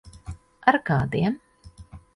Ar kādiem?